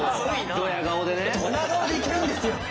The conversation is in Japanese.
ドヤ顔でいけるんですよ。